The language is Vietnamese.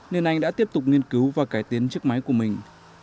nên anh đã tiếp tục nghiên cứu và cải tiến chiếc máy của mình